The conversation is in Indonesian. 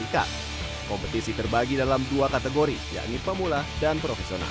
kompetisi terbagi dalam dua kategori yakni pemula dan profesional